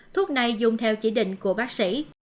thuốc này dùng theo chỉ định của bác sĩ